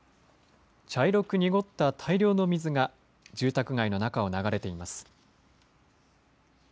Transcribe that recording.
茶色く濁った大量の水が、住宅街の中を流れています。